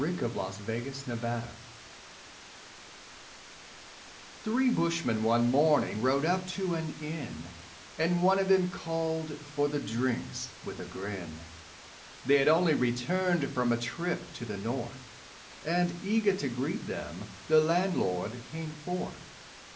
_ The Glass on the Bar Three bushmen one morning rode up to an inn, And one of them called for the drinks with a grin; They'd only returned from a trip to the North, And, eager to greet them, the landlord came forth.